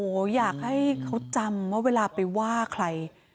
โอ้โหอยากให้เขาจำว่าเวลาไปว่าใคร